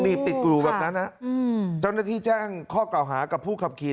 ดีบติดหลู่แบบนั้นจ้อนาธิแจ้งข้อกล่าวหากับผู้ขับขี่